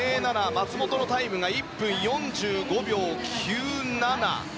松元のタイムが１分４５秒９７。